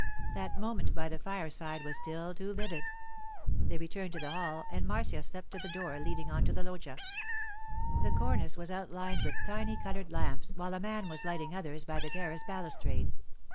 That moment by the fireside was still too vivid. They returned to the hall, and Marcia stepped to the door leading on to the loggia. The cornice was outlined with tiny coloured lamps, while a man was lighting others by the terrace balustrade.